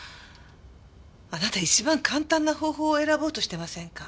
あなた一番簡単な方法を選ぼうとしてませんか？